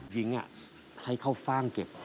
หญิงให้เข้าฟ่างเก็บ